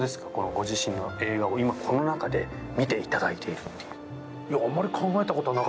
ご自身の映画を今、この中で見ていただいているという。